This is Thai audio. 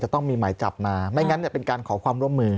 ต้องมีหมายจับมาไม่งั้นเป็นการขอความร่วมมือ